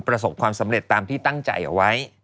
ประสบความสำเร็จตามที่ตั้งใจเอาไว้